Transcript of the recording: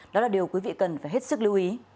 đó là điều quý vị cần phải hết sức lưu ý